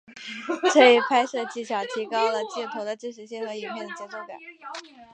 这一拍摄技巧提高了镜头的真实性和影片的节奏感。